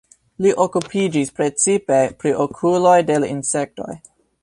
Li okupiĝis precipe pri okuloj de la insektoj.